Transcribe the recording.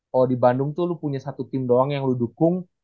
kalau di bandung tuh lu punya satu tim doang yang lu dukung